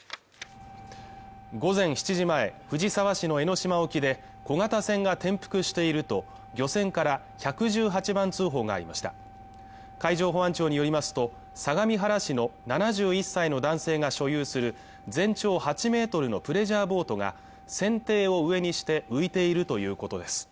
午前７時前藤沢市の江の島沖で小型船が転覆していると漁船から１１８番通報がありました海上保安庁によりますと相模原市の７１歳の男性が所有する全長８メートルのプレジャーボートが船底を上にして浮いているということです